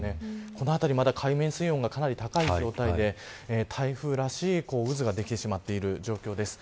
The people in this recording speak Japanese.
この辺り海面水温が、かなり高い状態で台風らしい渦ができてしまっている状況です。